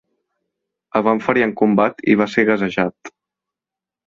El van ferir en combat i va ser gasejat.